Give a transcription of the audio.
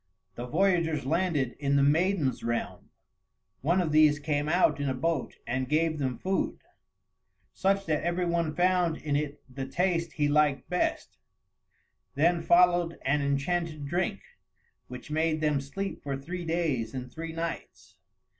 The voyagers landed in the maidens' realm; one of these came out in a boat and gave them food, such that every one found in it the taste he liked best; then followed an enchanted drink, which made them sleep for three days and three nights.